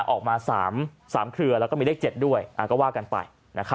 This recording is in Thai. ออกมา๓เครือแล้วก็มีเลข๗ด้วยก็ว่ากันไป